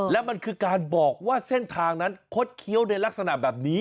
และมันคือการบอกว่าเส้นทางนั้นคดเคี้ยวในลักษณะแบบนี้